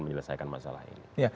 menyelesaikan masalah ini